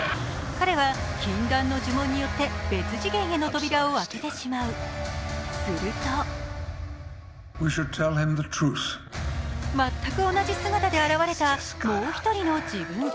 彼は禁断の呪文によって別次元への扉を開けてしまうすると全く同じ姿で現れたもう一人の自分。